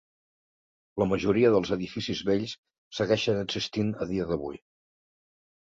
La majoria dels edificis vells segueixen existint a dia d'avui.